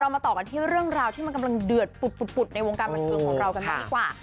มาต่อกันที่เรื่องราวที่มันกำลังเดือดปุดในวงการบันเทิงของเรากันบ้างดีกว่า